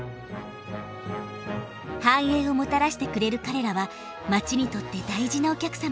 繁栄をもたらしてくれる彼らは街にとって大事なお客様。